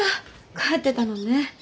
帰ってたのね。